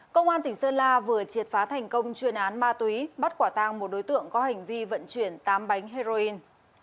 công an tỉnh sơn la vừa triệt phá thành công chuyên án ma túy bắt quả tang một đối tượng có hành vi vận chuyển tám bánh heroin